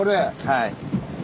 はい。